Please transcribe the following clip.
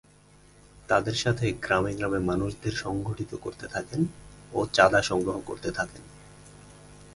তাদের সাথে গ্রামে গ্রামে মানুষদের সংগঠিত করতে থাকেন ও চাঁদা সংগ্রহ করতে থাকেন।